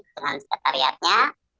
dengan sekat ariatnya